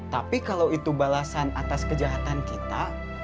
tapi kalau itu balasan atas kejahatan kita